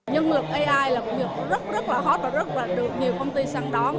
nhân lực ai là một việc rất rất là hot và rất là được nhiều công ty săn đón